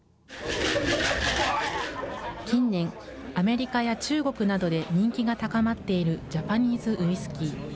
近年、アメリカや中国などで人気が高まっているジャパニーズウイスキー。